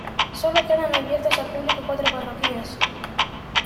Sólo quedan abiertas al público cuatro parroquias.